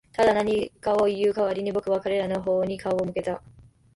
ただ、何かを言う代わりに、僕は彼らの方に顔を向けた。